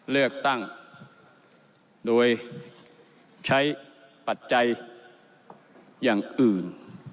เลือกตั้งโดยใช้ปัจจัยอย่างอื่น